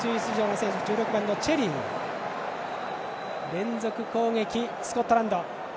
連続攻撃、スコットランド。